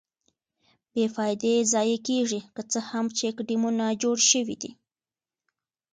بې فایدې ضایع کېږي، که څه هم چیک ډیمونه جوړ شویدي.